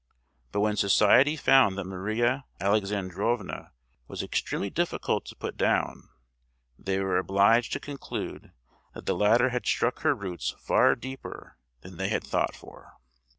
But when Society found that Maria Alexandrovna was extremely difficult to put down, they were obliged to conclude that the latter had struck her roots far deeper than they had thought for.